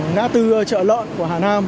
nã tư chợ lợn của hà nam